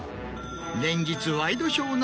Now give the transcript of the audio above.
連日。